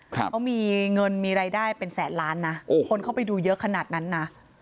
เขามีเงินมีรายได้เป็นแสนล้านนะโอ้คนเข้าไปดูเยอะขนาดนั้นนะ